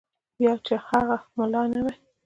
یا دا چې هغه ملا نه وای.